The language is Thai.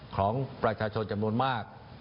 ของประชาชนจำนวนมาก